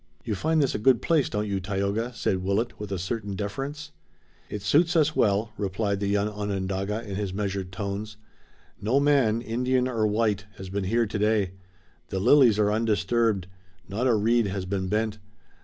"You find this a good place, don't you, Tayoga?" said Willet, with a certain deference. "It suits us well," replied the young Onondaga in his measured tones. "No man, Indian or white, has been here today. The lilies are undisturbed. Not a reed has been bent.